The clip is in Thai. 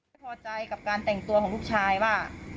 ไม่พอใจกับการแต่งตัวของลูกชายว่า